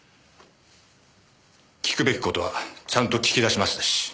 聞くべき事はちゃんと聞き出しましたし。